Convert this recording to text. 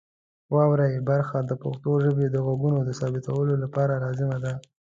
واورئ برخه د پښتو ژبې د غږونو د ثبتولو لپاره لازمه ده.